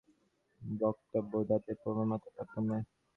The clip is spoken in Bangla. বস্তুত উহাদের প্রভেদ মাত্রার তারতম্যে।